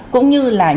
cũng như là những